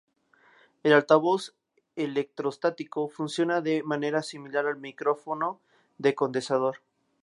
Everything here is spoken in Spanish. El altavoz electrostático funciona de manera similar al micrófono de condensador.